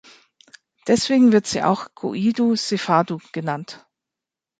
Deswegen wird sie auch "Koidu-Sefadu" genannt.